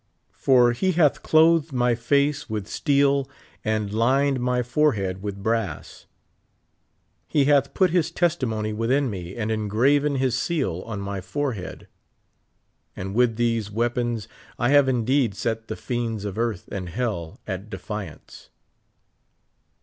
For he hath clothed my face with steel and lined my forehead with brass. He hath put his testimony within me and engraven his seal on my forehead. And with these wea pons I have indeed set the fiends of earth and hell at defiance.